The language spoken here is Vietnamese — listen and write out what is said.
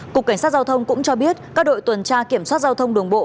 cục cảnh sát giao thông cũng cho biết các đội tuần tra kiểm soát giao thông đường bộ